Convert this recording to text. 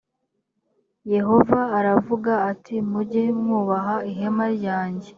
yehova aravuga ati mujye mwubaha ihema ryange